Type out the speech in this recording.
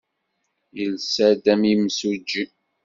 Yelsa-d am yimsujji.